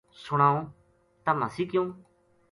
سنائوں ! تم ہسی کیوں